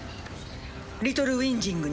リトル・ウィンジングに？